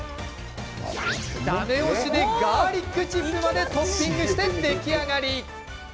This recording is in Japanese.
だめ押しでガーリックチップまでトッピングして出来上がり。